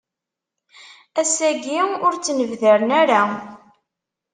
Ass-agi ur ttnebdaren ara.